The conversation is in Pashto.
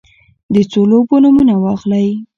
د څو لوبو نومونه واخلی ؟